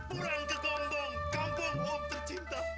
orang kekombong kampung om tercinta